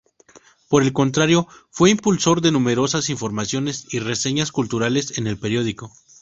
Por el contrario, fue impulsor de numerosas informaciones y reseñas culturales en el periódico.